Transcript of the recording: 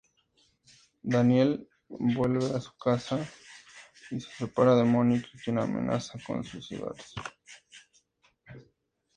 Daniele vuelve a su casa y se separa de Mónica, quien amenaza con suicidarse.